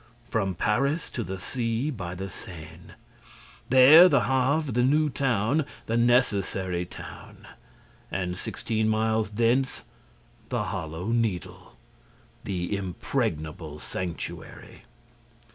From Paris to the sea, by the Seine. There, the Havre, the new town, the necessary town. And, sixteen miles thence, the Hollow Needle, the impregnable sanctuary!